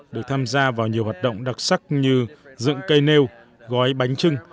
được tham gia vào nhiều hoạt động đặc sắc như dựng cây nêu gói bánh trưng